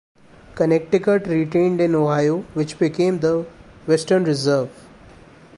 Connecticut retained in Ohio which became the "Western Reserve".